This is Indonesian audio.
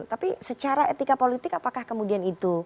tapi secara etika politik apakah kemudian itu